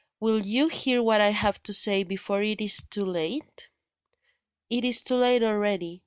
Will you hear what I have to say, before it is too late?" "It is too late already.